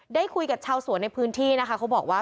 ได้คุยกับชาวสวนในพื้นที่นะคะเขาบอกว่า